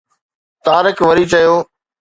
طارق وري چيو